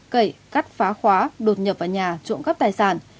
cẩy cắt phá khóa đột nhập vào nhà trộm các tài sản